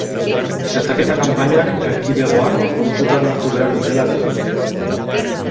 Txertaketa kanpainak erkidegoak kontutan hartu behar direla dio.